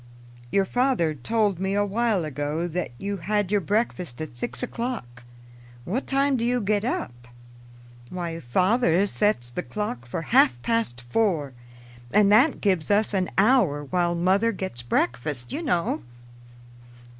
"Your father told me a while ago that you had your breakfast at six o'clock. What time do you get up?" "Why, father sets the clock for half past four, and that gives us an hour while mother gets breakfast, you know."